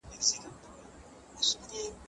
هینداره ماته که چي ځان نه وینم تا ووینم